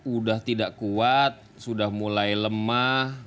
udah tidak kuat sudah mulai lemah